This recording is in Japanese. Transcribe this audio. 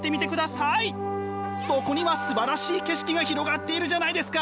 そこにはすばらしい景色が広がっているじゃないですか！